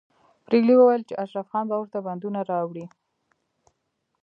پريګلې وویل چې اشرف خان به ورته بندونه راوړي